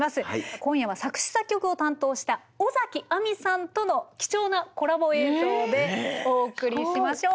今夜は作詞作曲を担当した尾崎亜美さんとの貴重なコラボ映像でお送りしましょう。